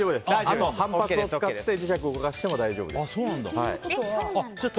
あとは反発を使って磁石を動かしても大丈夫です。